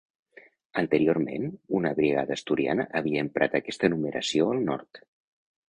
Anteriorment una brigada asturiana havia emprat aquesta numeració al nord.